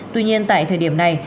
tuy nhiên tại thời điểm này